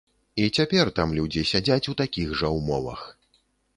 І цяпер там людзі сядзяць у такіх жа ўмовах.